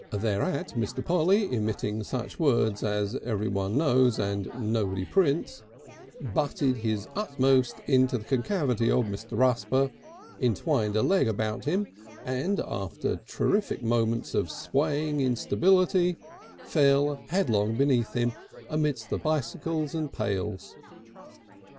Thereat Mr. Polly, emitting such words as everyone knows and nobody prints, butted his utmost into the concavity of Mr. Rusper, entwined a leg about him and after terrific moments of swaying instability, fell headlong beneath him amidst the bicycles and pails.